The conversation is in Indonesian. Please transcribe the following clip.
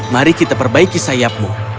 mari kita perbaiki sayapmu